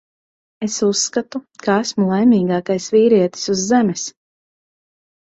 Es uzskatu, ka esmu laimīgākais vīrietis uz Zemes.